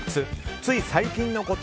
つい最近のこと。